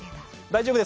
大丈夫？